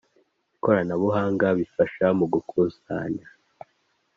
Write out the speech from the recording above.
Ikoranabuhanga Bifasha Mu Gukusanya